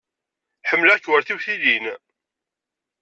Ḥemmleɣ-k war tiwtilin.